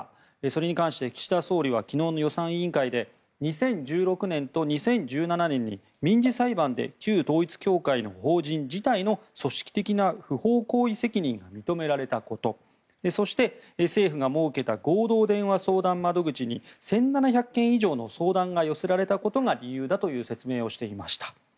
それに関して、岸田総理は昨日の予算委員会で２０１６年と２０１７年に民事裁判で旧統一教会の法人自体の組織的な不法行為責任が認められたことそして、政府が設けた合同電話相談窓口に１７００件以上の相談が寄せられたことが理由だという説明をしていました。